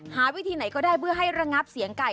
วิธีไหนก็ได้เพื่อให้ระงับเสียงไก่